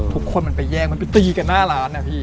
ทุกคนมันไปแย่งมันไปตีกันหน้าร้านนะพี่